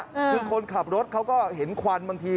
คือคนขับรถเขาก็เห็นควันบางที